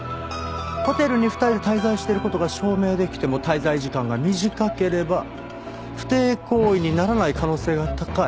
ホテルに２人で滞在してる事が証明できても滞在時間が短ければ不貞行為にならない可能性が高い。